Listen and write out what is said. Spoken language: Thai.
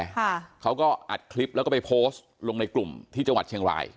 ค่ะเขาก็อัดคลิปแล้วก็ไปโพสต์ลงในกลุ่มที่จังหวัดเชียงราย